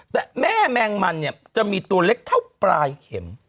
แต่แม่แมงมันเนี่ยจะมีตัวเล็กเท่าปลายเข็ม